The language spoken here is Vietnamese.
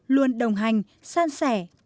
luôn đồng hành san sẻ